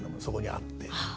そこにあって。